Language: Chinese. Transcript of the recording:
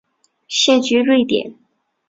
现居瑞典。